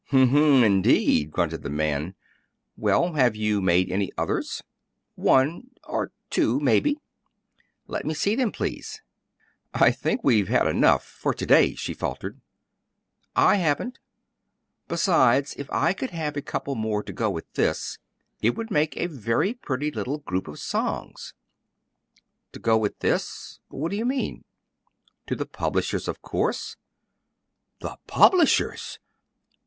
"Hm m; indeed!" grunted the man. "Well, have you made any others?" "One or two, maybe." "Let me see them, please." "I think we've had enough for today," she faltered. "I haven't. Besides, if I could have a couple more to go with this, it would make a very pretty little group of songs." "'To go with this'! What do you mean?" "To the publishers, of course." "The PUBLISHERS!"